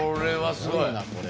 すごいなこれ。